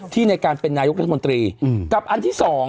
ในการเป็นนายกรัฐมนตรีกับอันที่๒